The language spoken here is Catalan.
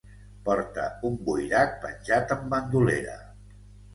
Porta un buirac penjat en bandolera.